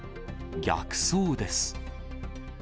逆走です。